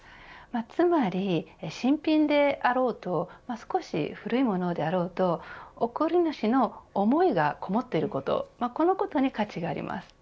つまり新品であろうと少し古いものであろうと贈り主の思いがこもっていることこのことに価値があります。